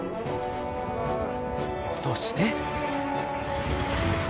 そして。